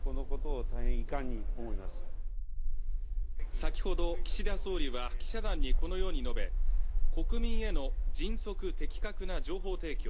先ほど岸田総理は記者団にこのように述べ国民への迅速的確な情報提供